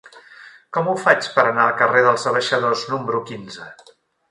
Com ho faig per anar al carrer dels Abaixadors número quinze?